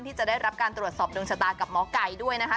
ที่จะได้รับการตรวจสอบดวงชะตากับหมอไก่ด้วยนะคะ